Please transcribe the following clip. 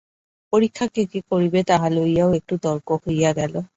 পরীক্ষা কে কে করিবে তাহা লইয়াও একটু তর্ক হইয়া গেল।